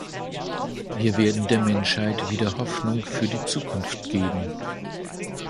Wir werden der Menschheit wieder Hoffnung für die Zukunft geben.